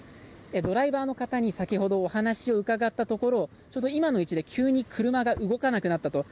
ドライバーの方に先ほどお話を伺ったところちょうど今の位置で急に車が動かなくなったと。